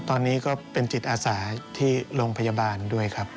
ตอนนี้ก็เป็นจิตอาสาที่โรงพยาบาลด้วยครับ